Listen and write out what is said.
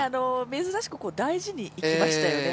珍しく大事にいきましたよね。